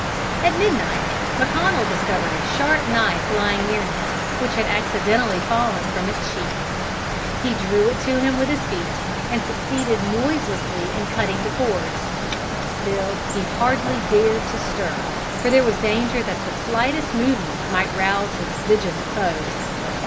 "At midnight, McConnel discovered a sharp knife lying near him, which had accidentally fallen from its sheath. He drew it to him with his feet, and succeeded noiselessly in cutting the cords. Still he hardly dared to stir, for there was danger that the slightest movement might rouse his vigilant foes.